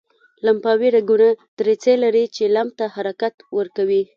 لمفاوي رګونه دریڅې لري چې لمف ته حرکت ورکوي.